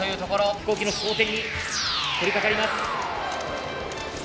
飛行機の装填に取りかかります。